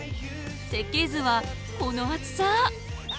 設計図はこの厚さ！